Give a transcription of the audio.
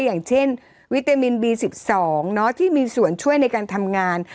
อย่างเช่นวิตามินบี๑๒ที่มีส่วนช่วยในการทำงาน